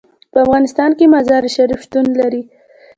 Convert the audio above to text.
په افغانستان کې مزارشریف شتون لري.